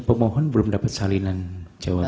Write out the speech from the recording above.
pemohon belum dapat salinan jawaban